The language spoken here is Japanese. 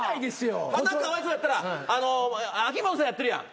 花かわいそうやったら秋元さんやってるやん。